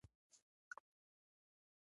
هغه کارګرانو ته د شپږو میاشتو پیسې ورکوي